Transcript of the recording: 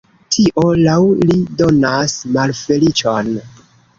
Tio, laŭ li, donas malfeliĉon!